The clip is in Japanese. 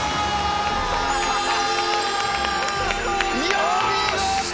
よし！